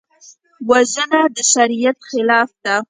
وژنه د شریعت خلاف ده